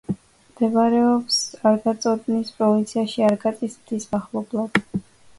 მდებარეობს არაგაწოტნის პროვინციაში, არაგაწის მთის მახლობლად.